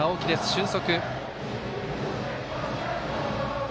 俊足。